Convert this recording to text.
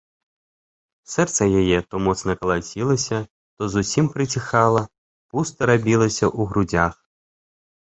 Сэрца яе то моцна калацілася, то зусім прыціхала, пуста рабілася ў грудзях.